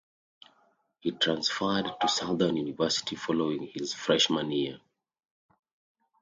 He transferred to Southern University following his freshman year.